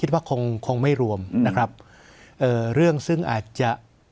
ว่าคงคงไม่รวมนะครับเอ่อเรื่องซึ่งอาจจะ